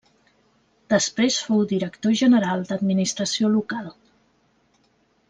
Després fou director general d'Administració Local.